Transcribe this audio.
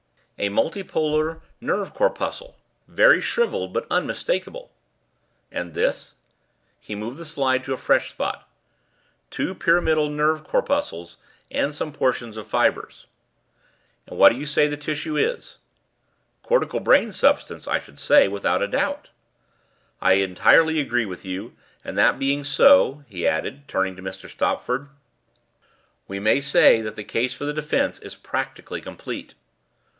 "A multipolar nerve corpuscle very shrivelled, but unmistakable." "And this?" He moved the slide to a fresh spot. "Two pyramidal nerve corpuscles and some portions of fibres." "And what do you say the tissue is?" "Cortical brain substance, I should say, without a doubt." "I entirely agree with you. And that being so," he added, turning to Mr. Stopford, "we may say that the case for the defence is practically complete."